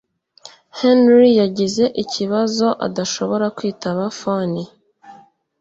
Henry yagize ikibazo adashobora kwitaba phone